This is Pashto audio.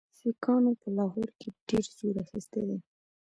سیکهانو په لاهور کې ډېر زور اخیستی دی.